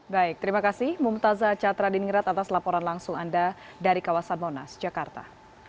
baik terima kasih mumtazah catra diningrat atas laporan langsung anda dari kawasan monas jakarta